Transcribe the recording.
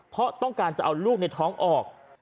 เพราะต้องการจะเอาลูกในท้องออก